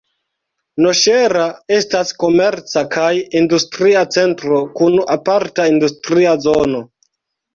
Noŝera estas komerca kaj industria centro kun aparta industria zono.